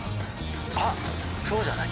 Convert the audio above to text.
あっそうじゃない？